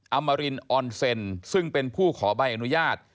อมรินออนเซ็นซึ่งเป็นผู้ขอใบอนุญาต